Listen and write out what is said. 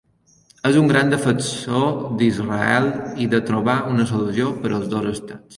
És un gran defensor d'Israel i de trobar una solució per als dos estats.